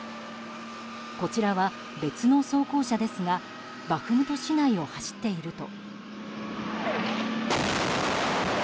こちらは別の装甲車ですがバフムト市内を走っていると。